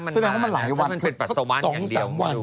สมัยว่ามันหลายวันถ้ามันเป็นปัสสวันอย่างเดียว